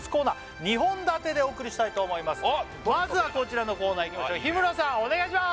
今回この番組まずはこちらのコーナーいきましょう日村さんお願いします